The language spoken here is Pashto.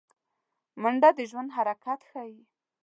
منډه د ژوند حرکت ښيي